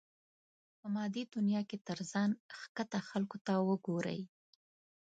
په مادي دنيا کې تر ځان ښکته خلکو ته وګورئ.